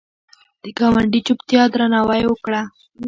د ګاونډي چوپتیا درناوی وکړه